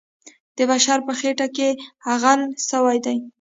د بشر په خټه کې اغږل سوی دی.